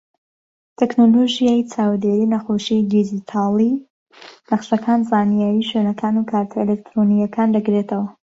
تەکنەلۆژیای چاودێری نەخۆشی دیجیتاڵی، نەخشەکان، زانیاری شوێنەکان و کارتە ئەلیکترۆنیەکان دەگرێتەوە.